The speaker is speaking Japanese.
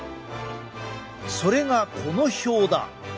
それがこの表だ。